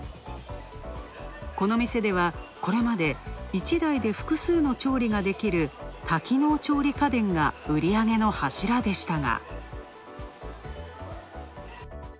この店ではこれまで一台で複数の調理ができる多機能調理家電が売り上げの柱でしたが。